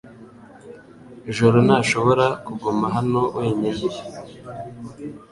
Joro ntashobora kuguma hano wenyine .